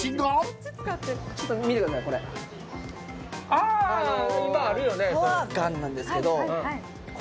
あ今あるよね。